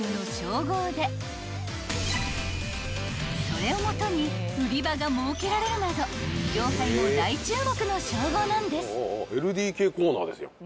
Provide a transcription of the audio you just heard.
［それを基に売り場が設けられるなど業界も大注目の称号なんです］